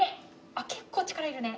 あっ結構力いるね。